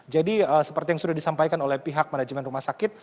jadi seperti yang sudah disampaikan oleh pihak manajemen rumah sakit